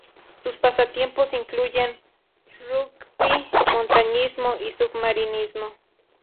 Sus pasatiempos incluyen Rugby, montañismo y submarinismo.